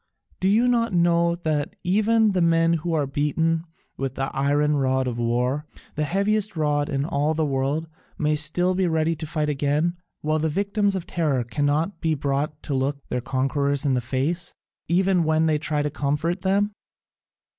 Do you not know that even the men who are beaten with the iron rod of war, the heaviest rod in all the world, may still be ready to fight again, while the victims of terror cannot be brought to look their conquerors in the face, even when they try to comfort them?"